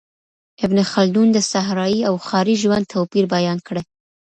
ابن خلدون د صحرایي او ښاري ژوند توپیر بیان کړ.